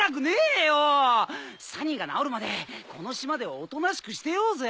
サニーが直るまでこの島でおとなしくしてようぜ？